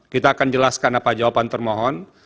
kita akan jelaskan apa jawaban termohon